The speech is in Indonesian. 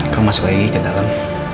kamu masuk lagi ke dalam